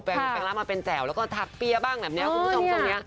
แปลงรับมาเป็นแจ๋วแล้วก็ทักเปี้ยบ้างแบบนี้คุณผู้ชมตรงนี้